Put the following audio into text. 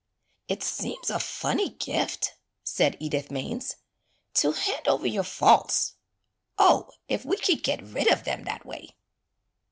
*Tt seems a funny gift," said Edith Mains, '*to hand over your faults — oh, if we could get rid of them that way."